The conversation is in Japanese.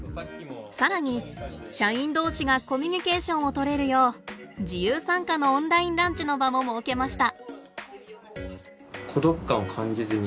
更に社員同士がコミュニケーションをとれるよう自由参加のオンラインランチの場も設けました。